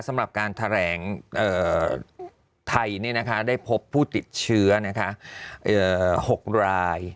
สำหรับการแถลงไทยได้พบผู้ติดเชื้อ๖ราย